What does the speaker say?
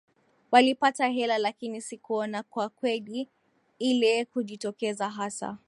walipata hela lakini sikuona kwa kweli ile kujitokeza hasa